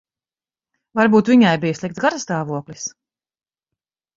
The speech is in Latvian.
Varbūt viņai bija slikts garastāvoklis.